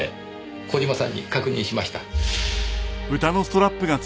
小島さんに確認しました。